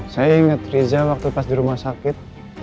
saya inget riza waktu pas di rumah sakit